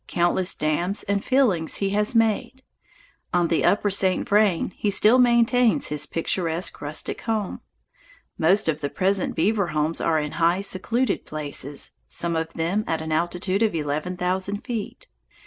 Countless dams and fillings he has made. On the upper St. Vrain he still maintains his picturesque rustic home. Most of the present beaver homes are in high, secluded places, some of them at an altitude of eleven thousand feet.